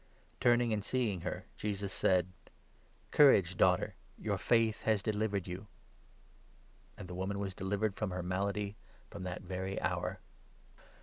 Turning and seeing her, Jesus said : 22 " Courage, Daughter ! your faith has delivered you." And the woman was delivered from her malady from that very hour.